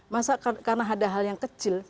masa karena ada hal yang kecil